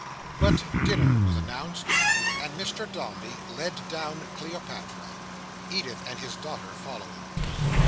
But dinner was announced, and Mr Dombey led down Cleopatra; Edith and his daughter following.